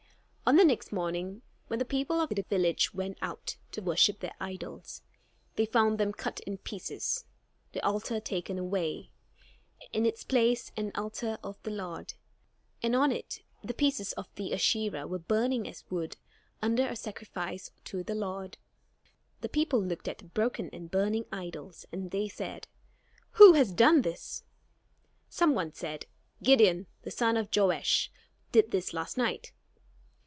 On the next morning, when the people of the village went out to worship their idols, they found them cut in pieces, the altar taken away; in its place an altar of the Lord, and on it the pieces of the Asherah were burning as wood under a sacrifice to the Lord. The people looked at the broken and burning idols; and they said: "Who has done this?" Some one said: "Gideon, the son of Joash, did this last night."